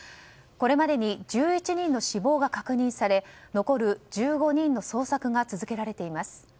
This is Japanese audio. これまでに１１人の死亡が確認され残る１５人の捜索が続けられています。